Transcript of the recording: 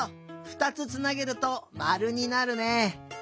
ふたつつなげるとまるになるね。